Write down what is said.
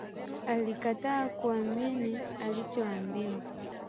Alikataa kuamini alichoambiwa